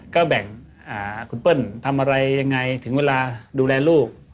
ก็แบ่งคุณเปิ้ลทำอะไรยังไงถึงเวลาดูแลลูก